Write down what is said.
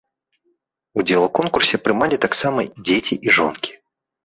Удзел у конкурсе прымалі таксама іх дзеці і жонкі.